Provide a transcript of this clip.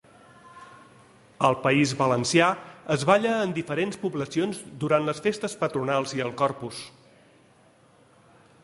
Al País Valencià es balla en diferents poblacions durant les festes patronals i el Corpus.